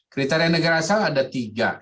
kriteria negara asal ada tiga